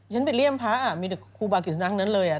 ฉันไปเลี่ยมพระอ่ะมีเด็กครูบากิสนักนั้นเลยอ่ะ